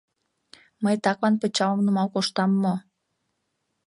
Мый таклан пычалым нумал коштам мо?